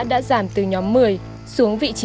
đã giảm từ nhóm một mươi xuống vị trí ba mươi hai